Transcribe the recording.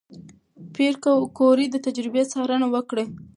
پېیر کوري د تجربې څارنه وکړه.